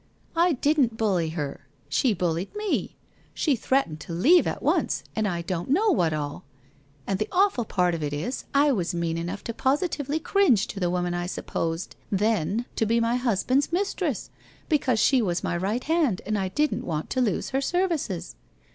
' I didn't bully her. She bullied me. She threatened to leave at once, and I don't know what all ! And the awful part of it is, I was mean enough to positively cringe to the woman I supposed, then, to be my husband's mis tress, because she was my right hand and I didn't want to lose her services.